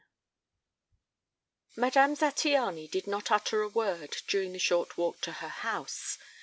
XXIX Madame Zattiany did not utter a word during the short walk to her house.